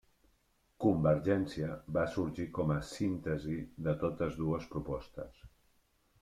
Convergència va sorgir com a síntesi de totes dues propostes.